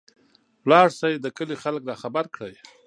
لاړشى د کلي خلک راخبر کړى.